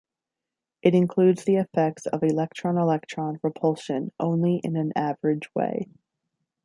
It includes the effects of electron-electron repulsion only in an average way.